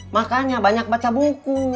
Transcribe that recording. makanya banyak baca buku